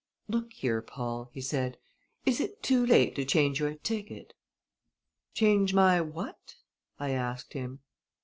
"Look here, Paul," he said, "is it too late to change your ticket?" "Change my what?" I asked him.